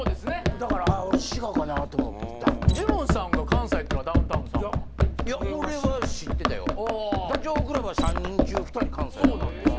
だから俺滋賀かなと思ったジモンさんが関西っていうのはダウンタウンさんはいや俺は知らん俺は知ってたよダチョウ倶楽部は３人中２人関西そうなんですよ